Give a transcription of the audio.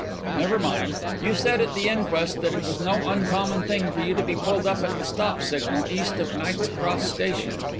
"Never mind. You said at the inquest that it was no uncommon thing for you to be pulled up at the 'stop' signal east of Knight's Cross Station.